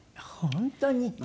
本当に？